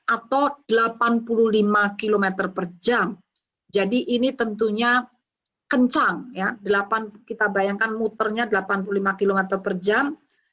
atau delapan puluh lima km per jam jadi ini tentunya kencang ya delapan kita bayangkan muternya delapan puluh lima km per jam